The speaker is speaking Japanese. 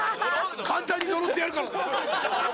簡単に呪ってやるからな。